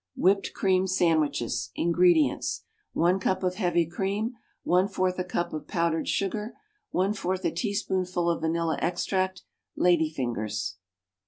=Whipped Cream Sandwiches.= INGREDIENTS. 1 cup of heavy cream. 1/4 a cup of powdered sugar. 1/4 a teaspoonful of vanilla extract. Lady fingers.